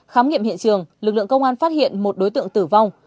khám nghiệm hiện trường lực lượng công an phát hiện một đối tượng tử vong